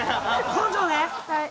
根性ね。